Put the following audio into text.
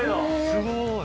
◆すごい！